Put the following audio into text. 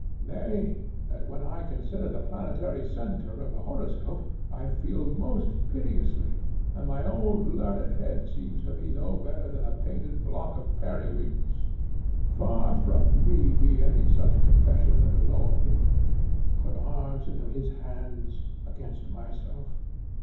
nay, that when I consider the planetary centre of the horoscope, I feel most piteously, and my own learned head seems to me no better than a painted block for periwigs? Far from me be any such confession that would lower me, and put arms into his hands against myself.